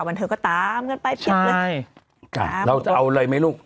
วันเทิงก็ตามกันไปใช่ตามเราจะเอาอะไรไหมลูก